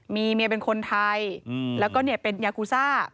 มีเมียเป็นคนไทยแล้วก็เป็นยากูซ่า